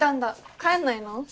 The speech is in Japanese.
帰んないの？